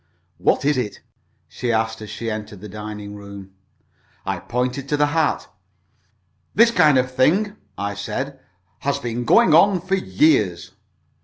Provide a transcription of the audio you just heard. "What is it?" she asked, as she entered the dining room. I pointed to the hat. "This kind of thing," I said, "has been going on for years!"